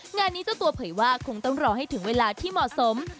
งานนี้เจ้าตัวเผยว่าคงต้องรอให้ถึงเวลาที่เหมาะสม